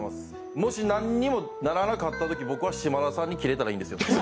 もしなんにもならなかったとき僕は島田さんにキレたらいいんですよね。